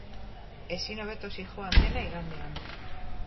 Ezin hobeto zihoan dena igandean.